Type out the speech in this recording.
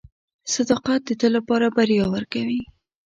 • صداقت د تل لپاره بریا ورکوي.